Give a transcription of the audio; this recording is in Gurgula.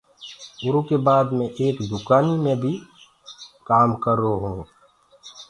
اُرو ڪي بآد مي ايڪ دُڪآنيٚ مي ڀيٚ ڪآم ڪررو هونٚ۔